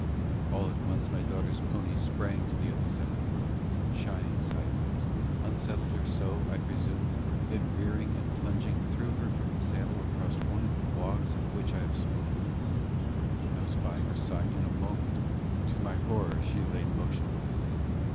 All at once my daughter's pony sprang to the other side of the road, shying sideways; unsettled her so, I presume; then rearing and plunging, threw her from the saddle across one of the logs of which I have spoken. I was by her side in a moment. To my horror she lay motionless.